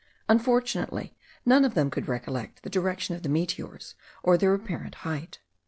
Unfortunately, none of them could recollect the direction of the meteors, or their apparent height.